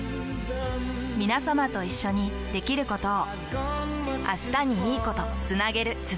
みなさまと一緒にできることを。